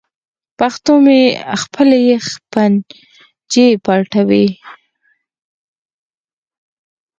پیشو مې خپلې پنجې پټوي.